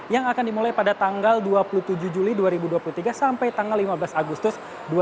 yang akan dimulai pada tanggal dua puluh tujuh juli dua ribu dua puluh tiga sampai tanggal lima belas agustus dua ribu dua puluh